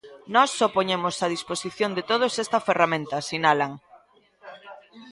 Nós só poñemos a disposición de todos esta ferramenta, sinalan.